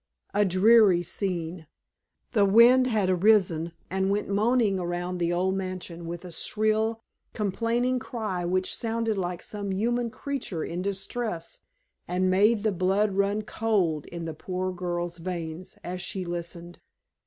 A dreary scene. The wind had arisen, and went moaning around the old mansion with a shrill, complaining cry which sounded like some human creature in distress and made the blood run cold in the poor girl's veins as she listened.